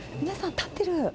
皆さん、立ってる。